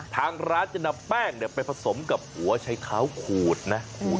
ทางร้านจะนำแป้งไปผสมกับหัวใช้เท้าขูดนะ